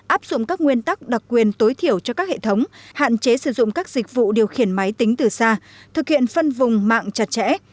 áp dụng các nguyên tắc đặc quyền tối thiểu cho các hệ thống hạn chế sử dụng các dịch vụ điều khiển máy tính từ xa thực hiện phân vùng mạng chặt chẽ